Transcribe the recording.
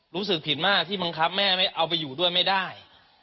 รู้สึกผิดมากที่บังคับแม่ไม่เอาไปอยู่ด้วยไม่ได้